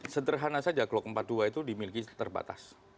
sederhana saja glock empat puluh dua itu dimiliki terbatas